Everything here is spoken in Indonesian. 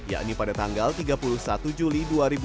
yakni pada tanggal tiga puluh satu juli dua ribu dua puluh